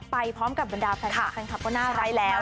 ไปพร้อมกับบรรดาแฟนคลับก็น่าร้ายแล้ว